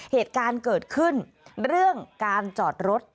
เหตุการณ์เกิดขึ้นเรื่องการจอดรถ